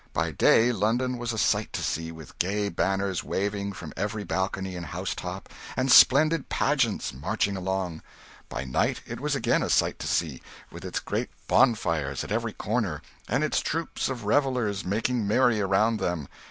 By day, London was a sight to see, with gay banners waving from every balcony and housetop, and splendid pageants marching along. By night, it was again a sight to see, with its great bonfires at every corner, and its troops of revellers making merry around them.